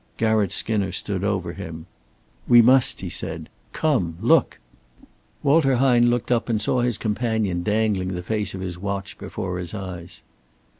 Garratt Skinner stood over him. "We must," he said. "Come! Look!" Walter Hine looked up and saw his companion dangling the face of his watch before his eyes.